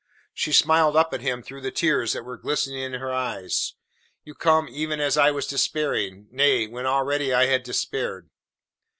She smiled up at him through the tears that were glistening in her eyes. "You come even as I was despairing nay, when already I had despaired."